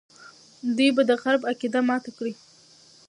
دوی به د غرب عقیده ماته کړي.